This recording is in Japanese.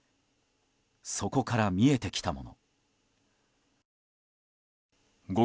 そこから見えてきたもの。